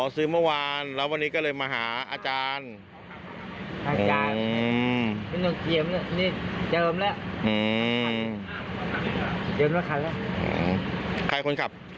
เดี๋ยวเลือกคำว่าใครคนขับ